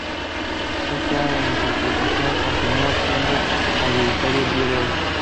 Esta interpretación continúa siendo mayoritaria el día de hoy.